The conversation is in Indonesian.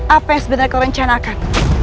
apa yang sebenarnya kau rencanakan